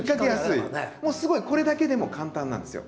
もうすごいこれだけでも簡単なんですよ。